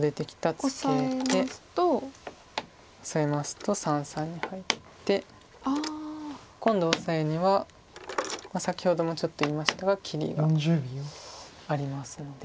オサえますと三々に入って今度オサエには先ほどもちょっと言いましたが切りがありますので。